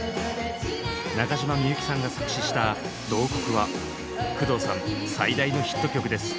中島みゆきさんが作詞した「慟哭」は工藤さん最大のヒット曲です。